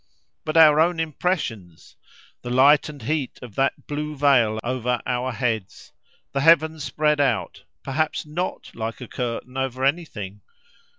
But our own impressions!—The light and heat of that blue veil over our heads, the heavens spread out, perhaps not like a curtain over anything!